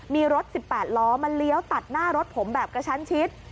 มีรถ๑๘ล้อมาเลี้ยวตัดหน้ารถผมแบบกระชั้นชิด